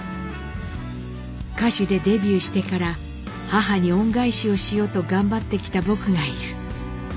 「歌手でデビューしてから母に恩返しをしようと頑張ってきた僕がいる。